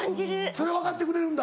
それ分かってくれるんだ。